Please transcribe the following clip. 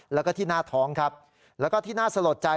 แล้วก็ที่หน้าท้องครับแล้วก็ที่น่าสลดใจ